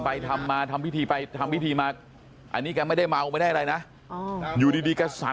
แกทำไปทำมายังวัด